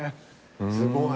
すごい！